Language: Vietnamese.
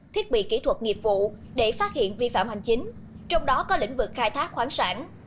thiết bị kỹ thuật nghiệp vụ để phát hiện vi phạm hành chính trong đó có lĩnh vực khai thác khoáng sản